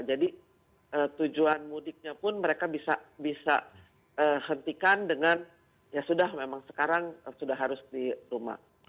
jadi tujuan mudiknya pun mereka bisa hentikan dengan ya sudah memang sekarang sudah harus di rumah